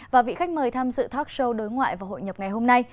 và vị khách mời tham dự talk show đối ngoại và hội nhập ngày hôm nay